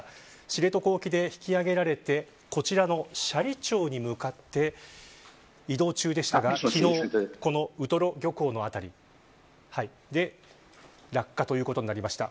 知床沖で引き揚げられてこちらの斜里町に向かって移動中でしたが昨日、ウトロ漁港の辺りで落下ということになりました。